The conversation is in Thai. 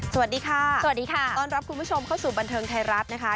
สวัสดีค่ะสวัสดีค่ะต้อนรับคุณผู้ชมเข้าสู่บันเทิงไทยรัฐนะคะ